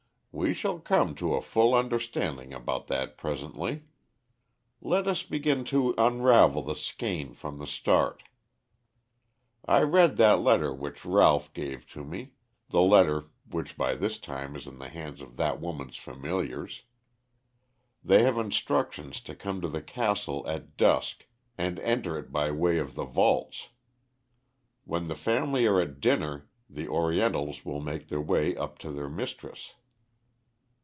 "We shall come to a full understanding about that presently. Let us begin to unravel the skein from the start. I read that letter which Ralph gave to me, the letter which by this time is in the hands of that woman's familiars. They have instructions to come to the castle at dusk and enter it by way of the vaults. When the family are at dinner the Orientals will make their way up to their mistress."